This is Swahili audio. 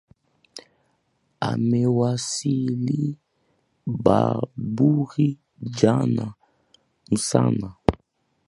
Amewasili Bamburi jana mchana.